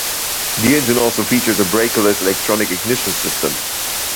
The engine also featured a breakerless electronic ignition system.